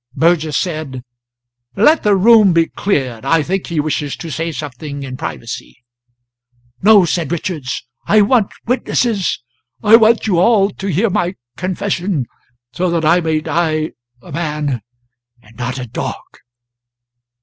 Burgess said: "Let the room be cleared. I think he wishes to say something in privacy." "No!" said Richards; "I want witnesses. I want you all to hear my confession, so that I may die a man, and not a dog.